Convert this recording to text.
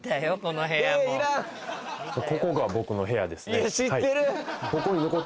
ここが僕の部屋ですね。